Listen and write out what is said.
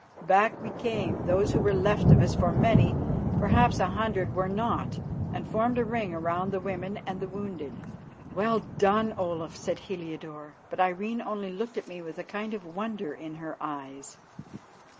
Back we came, those who were left of us, for many, perhaps a hundred, were not, and formed a ring round the women and the wounded. "Well done, Olaf," said Heliodore; but Irene only looked at me with a kind of wonder in her eyes.